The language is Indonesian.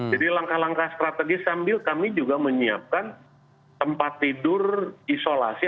jadi langkah langkah strategis sambil kami juga menyiapkan tempat tidur isolasi